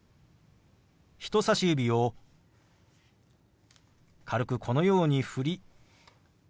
人さし指を軽くこのように振りＷｈ